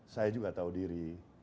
saya juga tahu diri